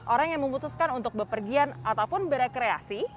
orang yang memutuskan untuk berpergian ataupun berrekreasi